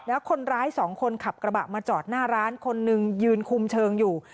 แล้วคนร้ายสองคนขับกระบะมาจอดหน้าร้านคนหนึ่งยืนคุมเชิงอยู่